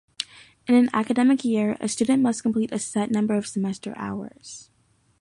In an academic year, a student must complete a set number of semester hours.